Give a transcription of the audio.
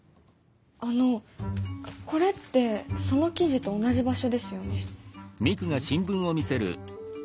あのこれってその記事と同じ場所ですよね？